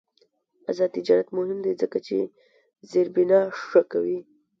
آزاد تجارت مهم دی ځکه چې زیربنا ښه کوي.